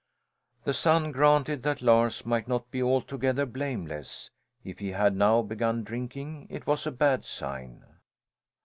The son granted that Lars might not be altogether blameless; if he had now begun drinking it was a bad sign.